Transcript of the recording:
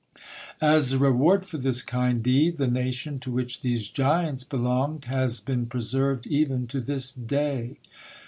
As a reward for this kind deed, the nation to which these giants belonged has been preserved even to this day.